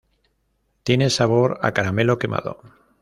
Tiene sabor a caramelo quemado.